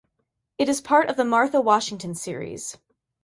It is part of the Martha Washington series.